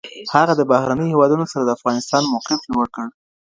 هغه د بهرنیو هیوادونو سره د افغانستان موقف لوړ کړ.